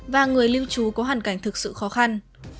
và người lưu trú có hoàn cảnh thực sự khó khăn